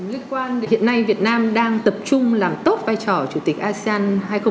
liên quan hiện nay việt nam đang tập trung làm tốt vai trò chủ tịch asean hai nghìn hai mươi